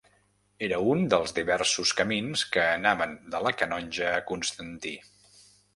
Era un dels diversos camins que anaven de La Canonja a Constantí.